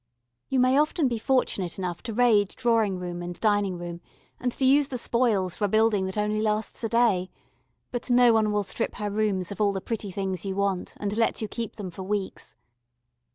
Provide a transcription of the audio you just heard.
You may often be fortunate enough to raid drawing room and dining room and to use the spoils for a building that only lasts a day, but no one will strip her rooms of all the pretty things you want and let you keep them for weeks.